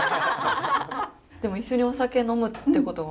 でも一緒にお酒呑むってことは。